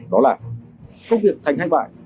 đó là công việc thành hay bại